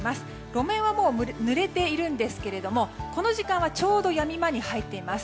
路面は、ぬれているんですがこの時間はちょうどやみ間に入っています。